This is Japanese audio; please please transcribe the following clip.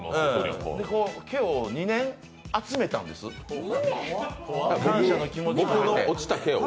毛を２年集めたんです感謝の気持ちで。